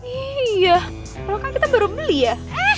iya kalau kan kita baru beli ya